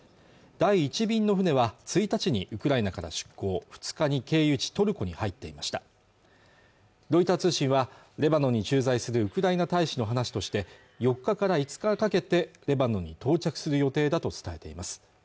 第１便の船は１日にウクライナから出港２日に経由地トルコに入っていましたロイター通信はレバノンに駐在するウクライナ大使の話として４日から５日にかけてレバノンに到着する予定だと伝えています